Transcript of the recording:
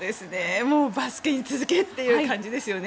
バスケに続けという感じですよね。